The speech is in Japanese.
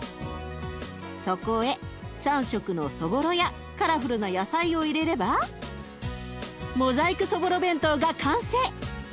そこへ３色のそぼろやカラフルな野菜を入れればモザイクそぼろ弁当が完成！